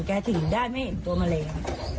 แกถึงได้ไม่เห็นตัวแมลง